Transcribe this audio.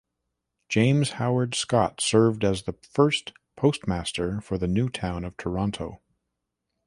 James Howard Scott served as the first Postmaster for the new Town of Toronto.